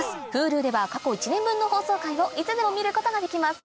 Ｈｕｌｕでは過去１年分の放送回をいつでも見ることができます